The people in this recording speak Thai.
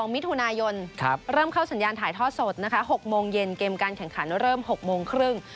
มิถุนายนเริ่มเข้าสัญญาณถ่ายทอดสดนะคะ๖โมงเย็นเกมการแข่งขันเริ่ม๖โมงครึ่ง